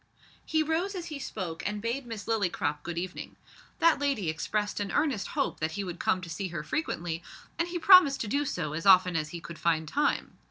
He rose as he spoke and bade Miss Lillycrop good evening. That lady expressed an earnest hope that he would come to see her frequently, and he promised to do so as often as he could find time.